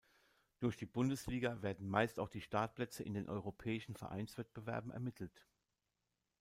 Durch die Bundesliga werden meist auch die Startplätze in den europäischen Vereinswettbewerben ermittelt.